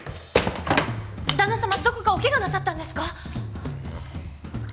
旦那様どこかお怪我なさったんですか？